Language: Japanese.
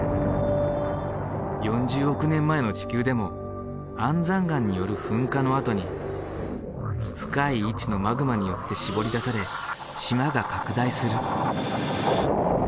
４０億年前の地球でも安山岩による噴火のあとに深い位置のマグマによってしぼり出され島が拡大する。